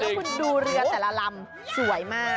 แล้วคุณดูเรือแต่ละลำสวยมาก